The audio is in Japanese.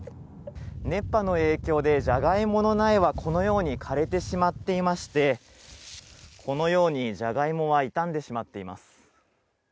熱波の影響で、じゃがいもの苗は、このように枯れてしまっていまして、このようにじゃがいもは傷んでしまっています。